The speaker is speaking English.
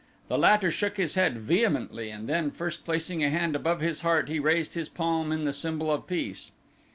The latter shook his head vehemently and then first placing a hand above his heart he raised his palm in the symbol of peace.